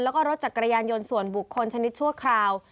แล้วก็รถจักรยานยนต์ส่วนบุคคลชนิดชั่วคราว